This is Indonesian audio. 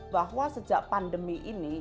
bahwa sejak pandemi ini